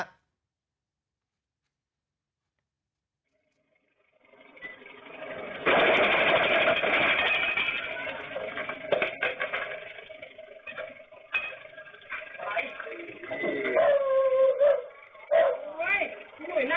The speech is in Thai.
เตือนภัยห้า